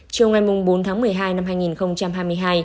chiều ngày bốn tháng một mươi hai năm hai nghìn hai mươi hai